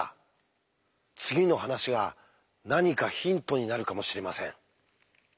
次の話が何かヒントになるかもしれません。